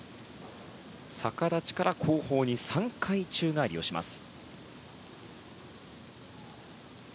逆立ちから後方に３回宙返りをします。